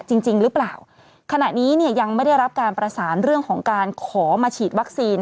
จริงจริงหรือเปล่าขณะนี้เนี่ยยังไม่ได้รับการประสานเรื่องของการขอมาฉีดวัคซีน